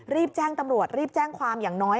รีบแจ้งตำรวจรีบแจ้งความอย่างน้อย